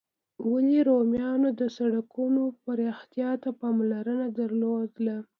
ولي رومیانو د سړکونو پراختیا ته پاملرنه درلوده؟